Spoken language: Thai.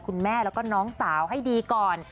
คุณแม่แล้วก็น้องสาวให้ดีก่อน